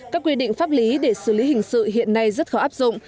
các quy định pháp lý để xử lý hình sự hiện nay rất khó áp dụng